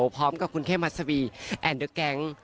พร้อมกับคุณเข้มัสวีแอนเดอร์แก๊ง